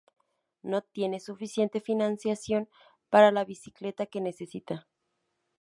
No tiene suficiente financiación para la bicicleta que necesita.